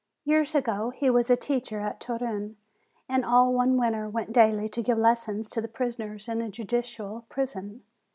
Years ago he was a teacher at Turin, and all one winter went daily to give lessons to the prisoners in the judicial prison.